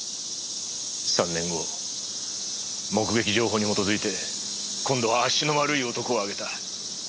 ３年後目撃情報に基づいて今度は足の悪い男をあげた。